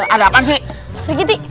ada apaan sih